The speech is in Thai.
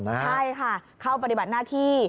ใช่ค่ะเข้าปฏิบัติหน้าที่